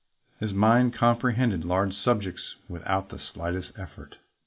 His mind comprehended large subjects without the slightest effort.